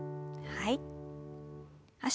はい。